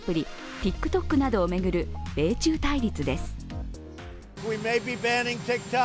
ＴｉｋＴｏｋなどを巡る米中対立です。